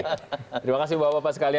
terima kasih bapak bapak sekalian